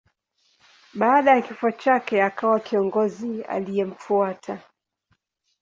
Baada ya kifo chake akawa kiongozi aliyemfuata.